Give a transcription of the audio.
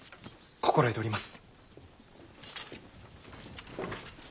心得ております！